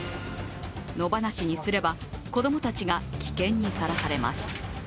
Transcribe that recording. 野放しにすれば、子供たちが危険にさらされます。